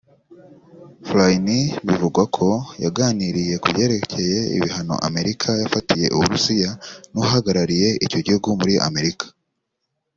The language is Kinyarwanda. Flynn bivugwa ko yaganiriye ku byerekeye ibihano Amerika yafatiye Uburusiya n'uhagarariye icyo gihugu muri Amerika